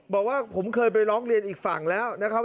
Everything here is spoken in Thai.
บอกว่าผมเคยไปร้องเรียนอีกฝั่งแล้วนะครับ